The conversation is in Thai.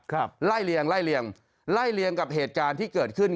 ไล่เลียงไล่เลียงไล่เลียงกับเหตุการณ์ที่เกิดขึ้น